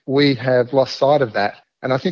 kita telah kehilangan pandangan